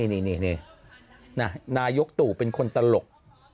นี่นายกตู่เป็นคนตลก